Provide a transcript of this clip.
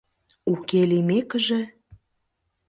Уке лиймекыже...